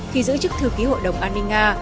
khi giữ chức thư ký hội đồng an ninh nga